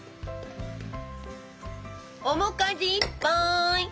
面かじいっぱい！